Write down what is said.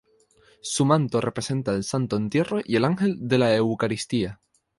Su Manto representa el Santo Entierro y el Ángel de la Eucaristía.